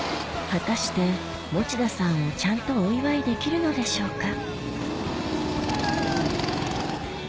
果たして持田さんをちゃんとお祝いできるのでしょうか？